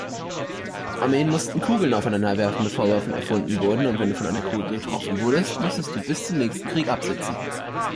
Armeen mussten Kugeln aufeinander werfen, bevor Waffen erfunden wurden und wenn du von einer Kugel getroffen wurdest, musstest du bis zum nächsten Krieg absitzen.